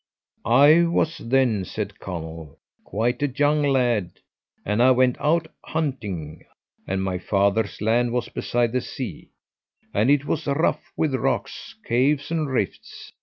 "I was then," said Conall, "quite a young lad, and I went out hunting, and my father's land was beside the sea, and it was rough with rocks, caves, and rifts.